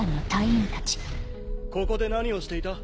ここで何をしていた？